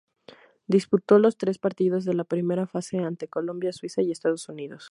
Disputó los tres partidos de la primera fase ante Colombia, Suiza y Estados Unidos.